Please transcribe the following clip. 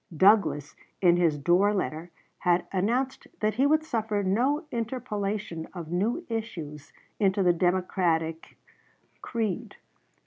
Douglas, in his Dorr letter, had announced that he would suffer no interpolation of new issues into the Democratic creed.